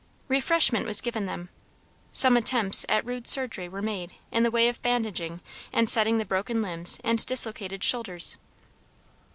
Refreshment was given them; some attempts at rude surgery were made in the way of bandaging and setting the broken limbs and dislocated shoulders.